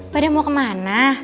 padahal mau kemana